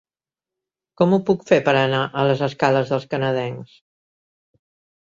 Com ho puc fer per anar a les escales dels Canadencs?